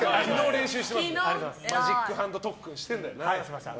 マジックハンド特訓してんだよな。